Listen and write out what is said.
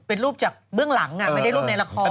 เป็นรูปจากเบื้องหลังไม่ได้รูปในละคร